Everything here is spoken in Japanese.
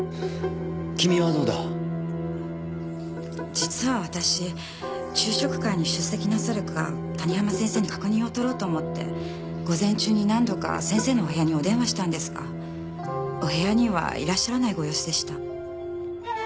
実は私昼食会に出席なさるか谷浜先生に確認を取ろうと思って午前中に何度か先生のお部屋にお電話したんですがお部屋にはいらっしゃらないご様子でした。